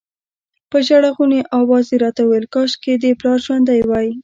په ژړغوني اواز یې راته ویل کاشکې دې پلار ژوندی وای.